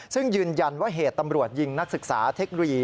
ซึ่งยืนยันว่าเหตุตำรวจยิงนักศึกษาเทคโนโลยี